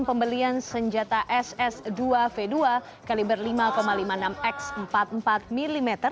pembelian senjata ss dua v dua kaliber lima lima puluh enam x empat puluh empat mm